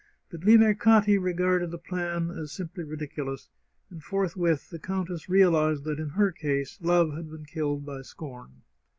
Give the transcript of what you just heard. But Limercati regarded the plan as simply ridiculous, and forthwith the countess realized that, in her case, love had been killed by scorn.